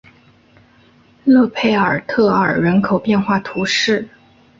勒佩尔特尔人口变化图示